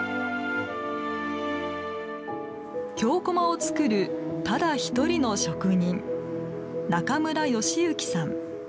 京こまを作るただ一人の職人中村佳之さん。